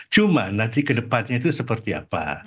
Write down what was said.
cuma nanti ke depannya itu seperti apa